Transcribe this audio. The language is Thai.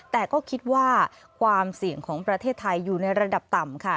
แต่ก็คิดว่าความเสี่ยงของประเทศไทยอยู่ในระดับต่ำค่ะ